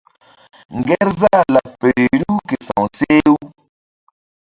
Ŋgerzah laɓ feri riw ke sa̧w seh-u.